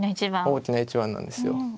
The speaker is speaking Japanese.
大きな一番なんですよ。